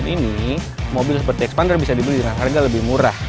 iya musik yang baru dimulai